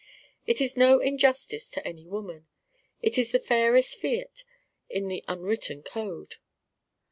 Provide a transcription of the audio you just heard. It is no injustice to any woman. It is the fairest fiat in the unwritten code.